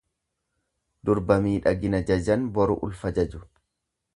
Durba miidhagina jajan boru ulfa jaju.